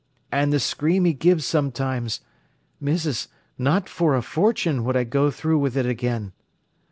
'An' the scream 'e gives sometimes! Missis, not for a fortune would I go through wi' it again.